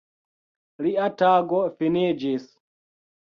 Lia tago finiĝis.